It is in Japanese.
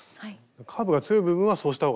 カーブが強い部分はそうした方がいいってこと。